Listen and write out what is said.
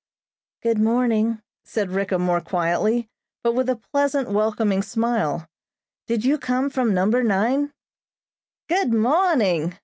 "Good morning!" said Ricka more quietly, but with a pleasant, welcoming smile. "Did you come from Number Nine?" "Good morning!"